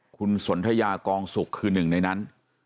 คุณสนทยากองสุกคือหนึ่งในนั้น